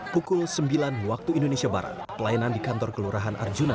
pukul sembilan waktu indonesia barat pelayanan di kantor kelurahan arjuna